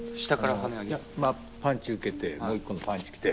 パンチ受けてもう１個のパンチ来て。